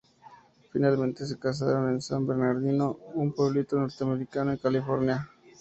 Finalmente se casaron en San Bernardino, un pueblito norteamericano en California.